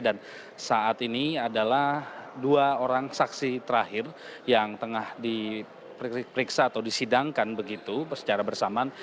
dan saat ini adalah dua orang saksi terakhir yang tengah diperiksa atau disidangkan begitu secara bersamaan